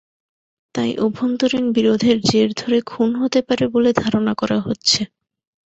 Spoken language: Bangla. তাই অভ্যন্তরীণ বিরোধের জের ধরে খুন হতে পারে বলে ধারণা করা হচ্ছে।